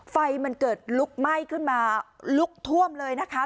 ไฟมันเกิดลุกไหม้ขึ้นมาลุกท่วมเลยนะคะ